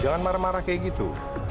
jangan marah marah kayak gitu